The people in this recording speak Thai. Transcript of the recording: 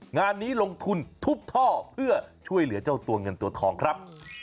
งานนี้ลงทุนทุบท่อเพื่อช่วยเหลือเจ้าตัวเงินตัวทองครับ